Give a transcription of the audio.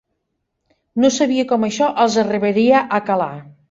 No sabia com això els arribaria a calar.